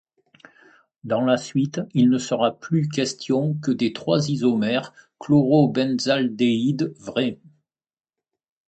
Dans la suite, il ne sera plus question que des trois isomères chlorobenzaldéhyde vrai.